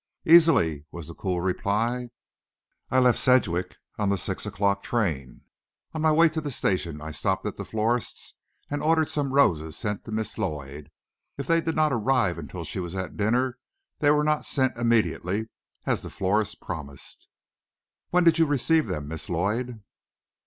"Easily," was the cool reply. "I left Sedgwick on the six o'clock train. On my way to the station I stopped at a florist's and ordered some roses sent to Miss Lloyd. If they did not arrive until she was at dinner, they were not sent immediately, as the florist promised." "When did you receive them, Miss Lloyd?"